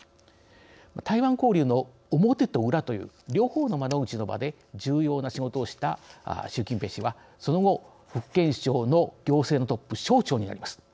台湾交流の表と裏という両方の窓口の場で重要な仕事をした習近平氏はその後福建省の行政のトップ省長になります。